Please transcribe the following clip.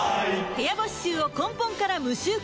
部屋干し臭を根本から無臭化